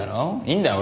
いいんだよ